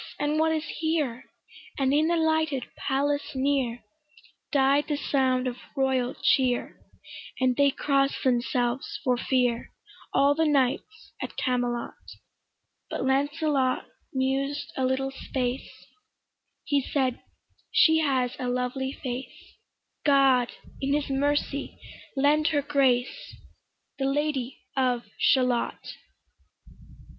and what is here? And in the lighted palace near Died the sound of royal cheer; And they cross'd themselves for fear, All the knights at Camelot: But Lancelot mused a little space; He said, "She has a lovely face; God in his mercy lend her grace, The Lady of Shalott".